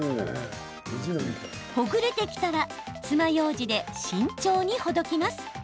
ほぐれてきたらつまようじで慎重にほどきます。